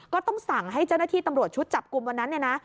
ก็ต้องสั่งให้เจ้าหน้าที่ตำรวจชุดจับกลุ่มวันนั้นเนี่ยนะ